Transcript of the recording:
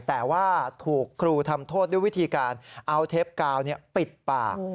แต่ว่าถูกครูทำโทษด้วยวิธีการเอาเทปกาวปิดปาก